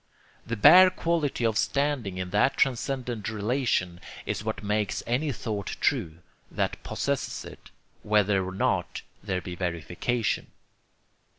The bare quality of standing in that transcendent relation is what makes any thought true that possesses it, whether or not there be verification.